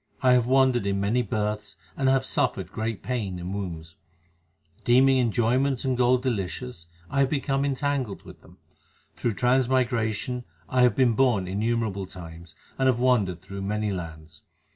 I have wandered in many births and have suffered great pain in wombs. Deeming enjoyments and gold delicious, I have become entangled with them. Through transmigration I have been born innumerable times, and have wandered through many lands.